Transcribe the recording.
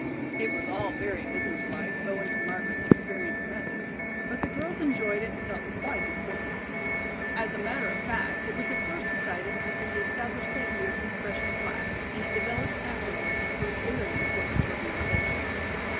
It was all very business like, owing to Margaret's experienced methods, but the girls enjoyed it and felt quite important. As a matter of fact, it was the first society to be established that year in the freshman class, and it developed afterward into a very important organization.